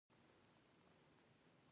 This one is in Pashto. انار د بزګرانو عاید لوړوي.